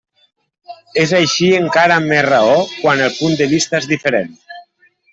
És així encara amb més raó quan el punt de vista és diferent.